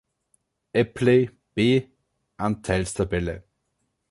Epley, B. Anteilstabelle